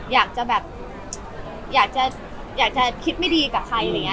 อยากจะแบบอยากจะคิดไม่ดีกับใครอะไรอย่างนี้